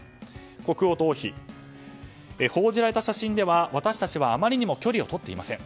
国王と王妃、報じられた写真では私たちはあまりにも距離をとっていません。